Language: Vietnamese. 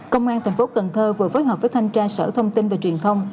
công an tp biên hòa vừa phối hợp với thanh tra sở thông tin và truyền thông